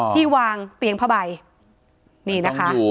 ที่วางเตียงผ้าใบนี่นะคะ